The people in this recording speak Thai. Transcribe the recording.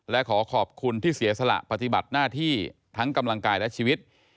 และขอขอบคุณที่เสียสละปฏิบัติหน้าที่ทั้งกำลังกายและชีวิต